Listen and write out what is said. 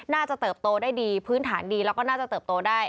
เติบโตได้ดีพื้นฐานดีแล้วก็น่าจะเติบโตได้